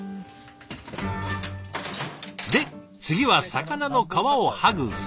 で次は魚の皮を剥ぐ作業。